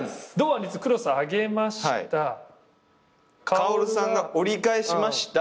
薫さんが折り返しました。